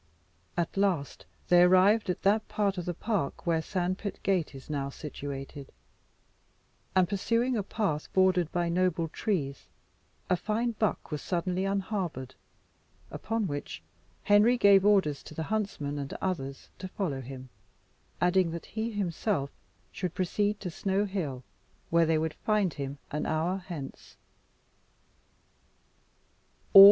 At last they arrived at that part of the park where Sandpit Gate is now situated, and pursuing a path bordered by noble trees, a fine buck was suddenly unharboured, upon which Henry gave orders to the huntsmen and others to follow him, adding that he himself should proceed to Snow Hill, where they would find him an hour hence.